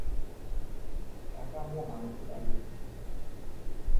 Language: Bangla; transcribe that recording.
টাকা আমরা বানাতে পারব।